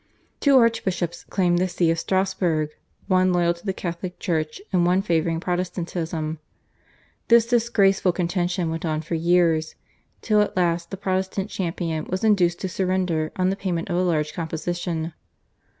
Two archbishops claimed the See of Strassburg, one loyal to the Catholic Church and one favouring Protestantism. This disgraceful contention went on for years, till at last the Protestant champion was induced to surrender on the payment of a large composition.